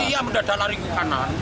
iya mendadak lari ke kanan